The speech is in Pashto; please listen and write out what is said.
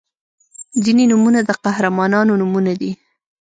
• ځینې نومونه د قهرمانانو نومونه دي.